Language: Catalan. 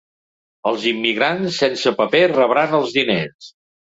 Els immigrants sense papers rebran els diners?